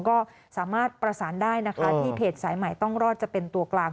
ก็สามารถประสานได้นะคะที่เพจสายใหม่ต้องรอดจะเป็นตัวกลาง